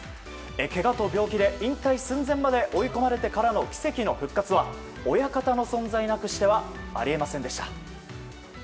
けがと病気で引退寸前まで追い込まれてからの奇跡の復活は親方の存在なくしてはあり得ませんでした。